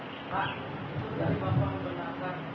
dari bapak menggunakan